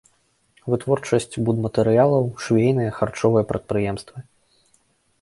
Вытворчасць будматэрыялаў, швейныя, харчовыя прадпрыемствы.